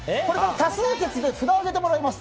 多数決で札を上げてもらいます。